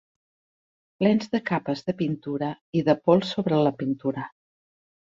Plens de capes de pintura, i de pols sobre la pintura